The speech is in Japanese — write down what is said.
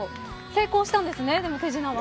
成功したんですね、手品は。